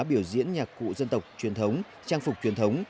biểu diễn nhạc cụ dân tộc truyền thống trang phục truyền thống